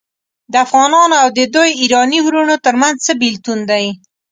د افغانانو او د دوی ایراني وروڼو ترمنځ څه بیلتون دی.